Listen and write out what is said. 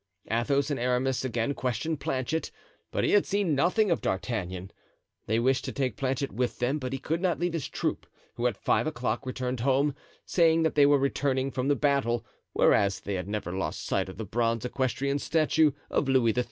Athos and Aramis again questioned Planchet, but he had seen nothing of D'Artagnan; they wished to take Planchet with them, but he could not leave his troop, who at five o'clock returned home, saying that they were returning from the battle, whereas they had never lost sight of the bronze equestrian statue of Louis XIII.